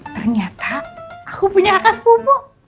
ternyata aku punya kakak sepupu